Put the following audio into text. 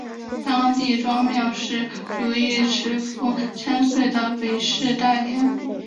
当地庄庙是主祀池府千岁的北势代天府。